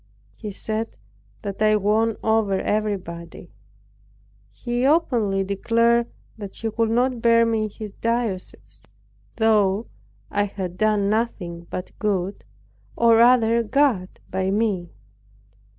He said that I won over everybody. He openly declared, "he could not bear me in his diocese," though I had done nothing but good, or rather God by me.